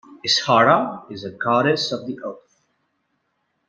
Ishara is a Goddess of the oath.